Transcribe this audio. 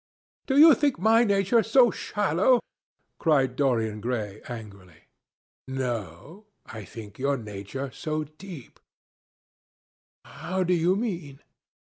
"Do you think my nature so shallow?" cried Dorian Gray angrily. "No; I think your nature so deep." "How do you mean?"